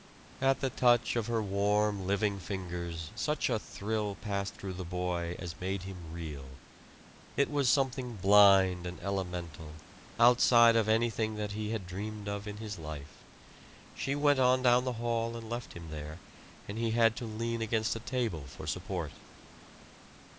At the touch of her warm, living fingers such a thrill passed through the boy as made him reel. It was something blind and elemental, outside of anything that he had dreamed of in his life. She went on down the hall and left him there, and he had to lean against a table for support.